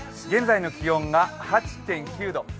現在の気温が８．９度。